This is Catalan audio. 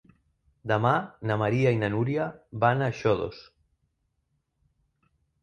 Demà na Maria i na Núria van a Xodos.